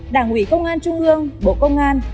đảng ủy công an trung ương bộ công an